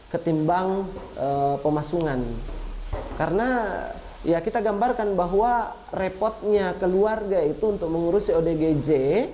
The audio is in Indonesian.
ketimbang pemasungan karena ya kita gambarkan bahwa repotnya keluarga itu untuk mengurusi odgj